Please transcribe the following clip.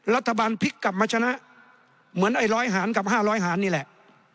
รัฐบาลพลิกกลับมาชนะเหมือนไอ้ร้อยหานกับห้าร้อยหานนี่แหละ